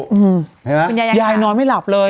เห็นไหมคุณยายยายนอนไม่หลับเลย